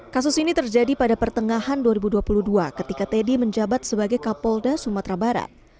kasus ini terjadi pada pertengahan dua ribu dua puluh dua ketika teddy menjabat sebagai kapolda sumatera barat